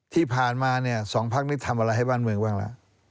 ที่ผ่านมาเนี่ยสองพักนี้ทำอะไรให้บ้านเมืองบ้างล่ะ